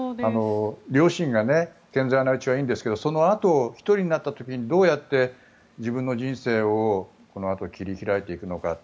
両親が健在なうちはいいんですけどそのあと１人になった時にどうやって自分の人生をこのあと切り開いていくのか。